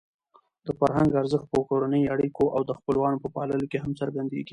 د فرهنګ ارزښت په کورنۍ اړیکو او د خپلوانو په پاللو کې هم څرګندېږي.